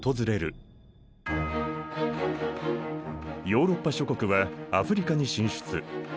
ヨーロッパ諸国はアフリカに進出。